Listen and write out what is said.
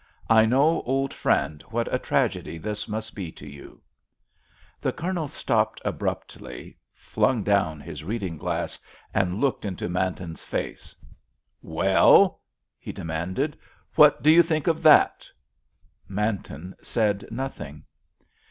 I know, old friend, what a tragedy this must be to you——_" The Colonel stopped abruptly, flung down his reading glass, and looked into Manton's face. "Well?" he demanded. "What do you think of that?" Manton said nothing.